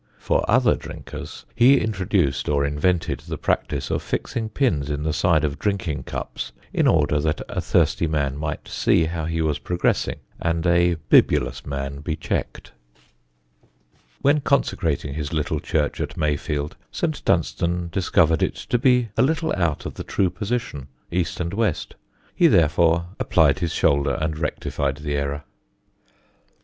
For other drinkers he introduced or invented the practice of fixing pins in the sides of drinking cups, in order that a thirsty man might see how he was progressing and a bibulous man be checked. [Sidenote: MAYFIELD] When consecrating his little church at Mayfield St. Dunstan discovered it to be a little out of the true position, east and west. He therefore applied his shoulder and rectified the error.